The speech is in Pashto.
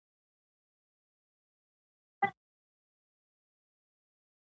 قبر یې له ډېرې مودې راهیسې ویجاړ وو.